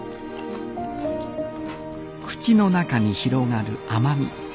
口の中に広がる甘み。